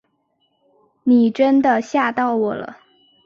你真的吓到我了